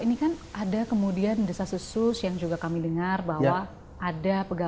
ini kan ada kemudian desa susus yang juga kami dengar bahwa ada pegawai kpk yang juga sudah diperiksa